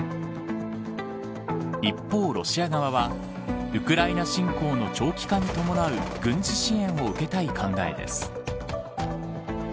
一方、ロシア側はウクライナ侵攻の長期化に伴う軍事支援を受けたい考えです。